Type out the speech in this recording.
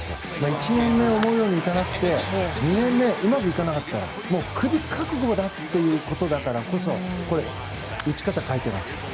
１年目、思うようにいかなくて２年目、うまくいかなかったらクビ覚悟だからということだからこそこれ、打ち方を変えています。